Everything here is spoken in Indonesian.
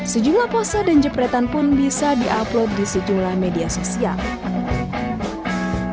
sejumlah pose dan jepretan pun bisa di upload di sejumlah media sosial